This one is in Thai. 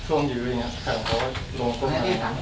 ช่วงยื้ออย่างเงี้ยแข่งเขาลงตรงท้อง